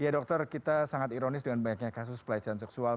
ya dokter kita sangat ironis dengan banyaknya kasus pelecehan seksual